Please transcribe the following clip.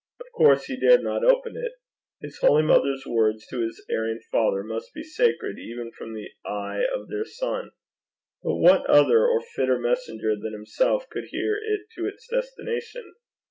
Of course he dared not open it. His holy mother's words to his erring father must be sacred even from the eyes of their son. But what other or fitter messenger than himself could bear it to its destination?